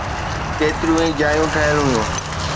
ڪيتريون ئي جايون ٺهيل هيون